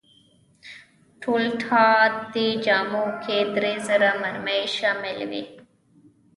ټولټال دې جامو کې درې زره مرۍ شاملې وې.